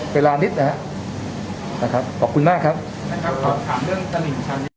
โปรดติดตามตอนต่อไป